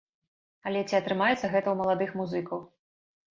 Але ці атрымаецца гэта ў маладых музыкаў?